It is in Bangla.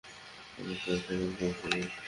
কোন একটা রাস্তা বের করে ফেলব।